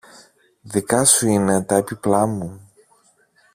Δικά σου είναι τα έπιπλα μου